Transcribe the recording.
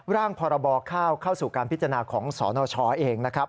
ร่างพรบข้าวเข้าสู่การพิจารณาของสนชเองนะครับ